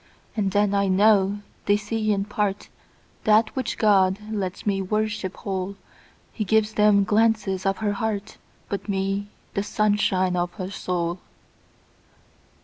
And then I know they see in partThat which God lets me worship whole:He gives them glances of her heart, But me, the sunshine of her soul.